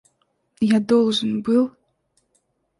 Я должен был...